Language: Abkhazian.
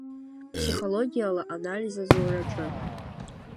Ԥсихологиала анализ азураҿы.